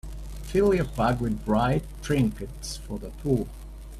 Fill your pack with bright trinkets for the poor.